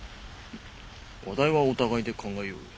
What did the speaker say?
話題はお互いで考えようよ。